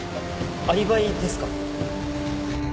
アリバイですか？